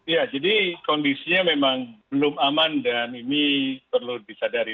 ya jadi kondisinya memang belum aman dan ini perlu disadari